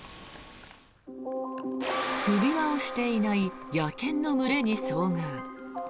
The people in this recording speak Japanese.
首輪をしていない野犬の群れに遭遇。